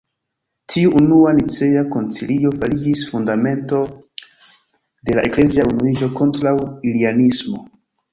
Tiu unua Nicea koncilio fariĝis fundamento de la eklezia unuiĝo kontraŭ arianismo.